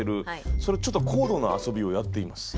それちょっと高度な遊びをやっています。